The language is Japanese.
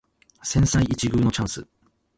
千載一遇のチャンス